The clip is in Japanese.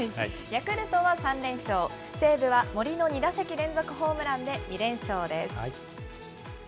ヤクルトは３連勝西武は森の２打席連続ホームランで２連勝です。